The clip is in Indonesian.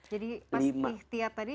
jadi pas berikhtiar tadi